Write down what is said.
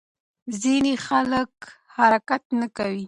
ځینې خلک حرکت نه کوي.